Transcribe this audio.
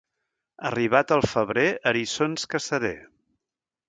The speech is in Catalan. Arribat el febrer, eriçons caçaré.